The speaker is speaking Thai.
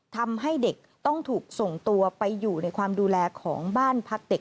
ทำให้เด็กต้องถูกส่งตัวไปอยู่ในความดูแลของบ้านพักเด็ก